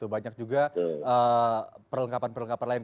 banyak juga perlengkapan perlengkapan lain